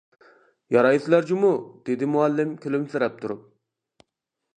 يارايسىلەر جۇمۇ، -دېدى مۇئەللىم كۈلۈمسىرەپ تۇرۇپ.